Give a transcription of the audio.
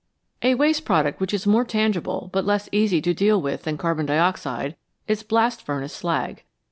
A waste product which is more tangible but less easy to deal with than carbon dioxide is blast furnace slag.